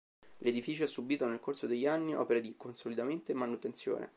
L'edificio ha subito, nel corso degli anni, opere di consolidamento e manutenzione.